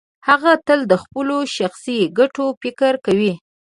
هغه تل د خپلو شخصي ګټو فکر کوي.